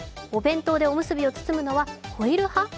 お弁当でおむすびを包むのはホイル派？